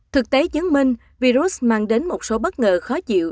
thực tế chứng minh virus mang đến một số bất ngờ khó chịu